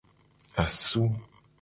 Asu.